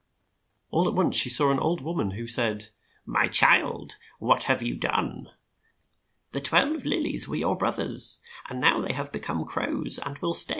All at once she saw an old wom an, who said, "My child, what have you done? The twelve lil ies were your broth ers, and now they have be come crows, and will stay so."